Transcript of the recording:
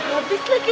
habis lagi baterainya